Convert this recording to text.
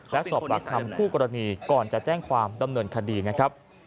และสอบปากคำคู่กรณีก่อนจะแจ้งความดำเนินคดีนะครับ